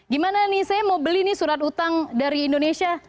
gimana nih saya mau beli nih surat utang dari indonesia